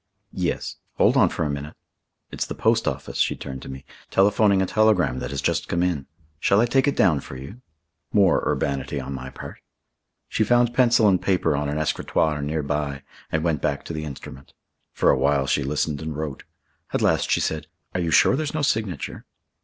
"Yes. Hold on for a minute. It's the post office" she turned to me "telephoning a telegram that has just come in. Shall I take it down for you?" More urbanity on my part. She found pencil and paper on an escritoire near by, and went back to the instrument. For a while she listened and wrote. At last she said: "Are you sure there's no signature?"